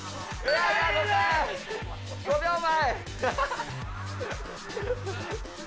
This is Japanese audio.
５秒前。